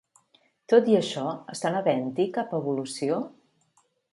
Tot i això, estan havent-hi cap evolució?